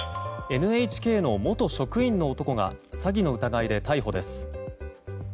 ＮＨＫの元職員の男が詐欺の疑いで逮捕です。